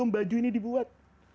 baju ini dibuat